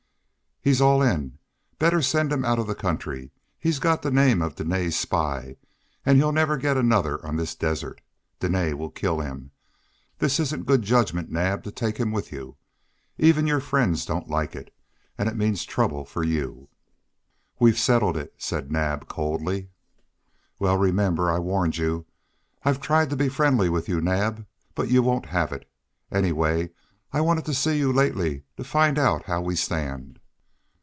"He's all in. Better send him out of the country. He's got the name of Dene's spy and he'll never get another on this desert. Dene will kill him. This isn't good judgment, Naab, to take him with you. Even your friends don't like it, and it means trouble for you." "We've settled it," said Naab, coldly. "Well, remember, I've warned you. I've tried to be friendly with you, Naab, but you won't have it. Anyway, I've wanted to see you lately to find out how we stand."